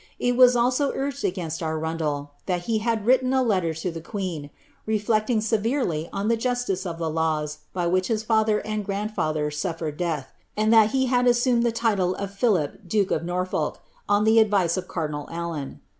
It was also uiged against Arun del^ thai he had written a letter to the queen, reflecting severely on the justice of the laws by which his father and grandfather suffered death, and that he had assumed the title of Philip duke of Norfolk on the advice of cardinal Allen.